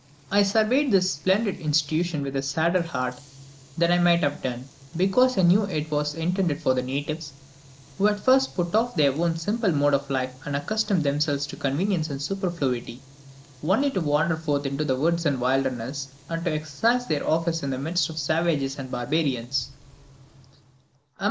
I surveyed this splendid institution with a sadder heart than I might have done, because I knew it was intended for the natives, who had first to put off their own simple mode of life and accustom themselves to convenience and superfluity, only to wander forth into the woods and wildernesses, and exercise their office in the midst of savages and barbarians.